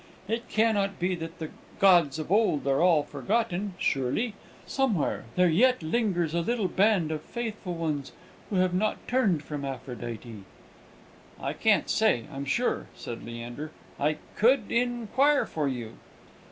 It cannot be that the gods of old are all forgotten; surely, somewhere there yet lingers a little band of faithful ones, who have not turned from Aphrodite." "I can't say, I'm sure," said Leander; "I could inquire for you."